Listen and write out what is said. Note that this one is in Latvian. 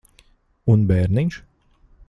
Un bērniņš?